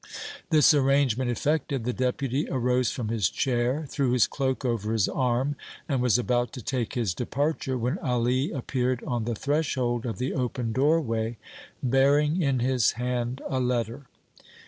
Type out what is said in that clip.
This arrangement effected, the Deputy arose from his chair, threw his cloak over his arm and was about to take his departure, when Ali appeared on the threshold of the open doorway, bearing in his hand a letter.